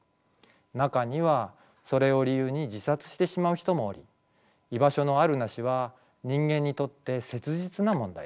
中にはそれを理由に自殺してしまう人もおり居場所のあるなしは人間にとって切実な問題です。